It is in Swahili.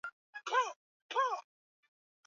Muungano wa Kimataifa juu ya Afya na Uchafuzi.